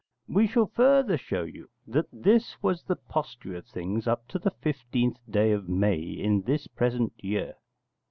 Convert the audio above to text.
We shall further show you that this was the posture of things up to the 15th day of May in this present year.